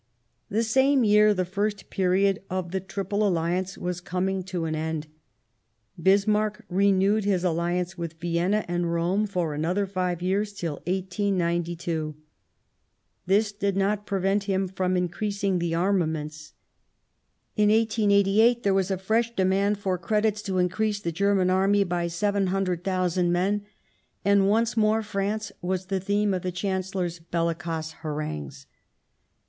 The same year the first period of the Triple AlUance was coming to an end ; Bismarck renewed his Alliance with Vienna and Rome for another five years, till 1892. This did not prevent him from increasing the armaments ; in 1888 there was a 194 The German Empire fresh demand for credits to increase the German Army by seven hundred thousand men ; and once more France was the theme of the Chancellor's bellicose harangues.